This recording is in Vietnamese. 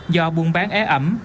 do buôn bán ế ẩm